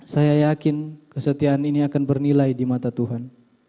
saya yakin kesetiaan ini akan bernilai di mata tuhan